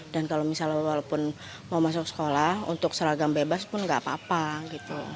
dan kalau misalnya walaupun mau masuk sekolah untuk seragam bebas pun gak apa apa gitu